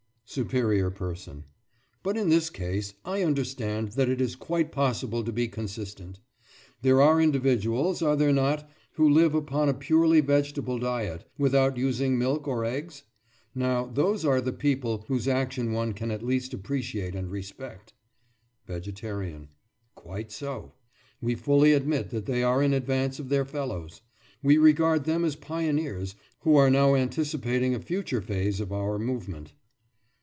SUPERIOR PERSON: But in this case I understand that it is quite possible to be consistent. There are individuals, are there not, who live upon a purely vegetable diet, without using milk or eggs? Now, those are the people whose action one can at least appreciate and respect. VEGETARIAN: Quite so. We fully admit that they are in advance of their fellows. We regard them as pioneers, who are now anticipating a future phase of our movement.